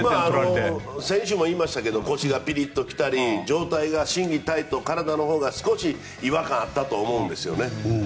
先週も言いましたけど腰がピリッと来たり状態が心技体と、体のほうが少し違和感があったと思うんですね。